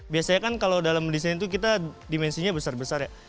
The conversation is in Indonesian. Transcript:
biasanya kan kalau dalam desain itu kita dimensinya besar besar ya